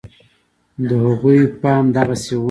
د هغوی فهم دغسې و.